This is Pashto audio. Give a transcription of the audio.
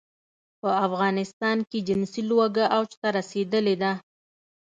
په افغانستان کې جنسي لوږه اوج ته رسېدلې ده.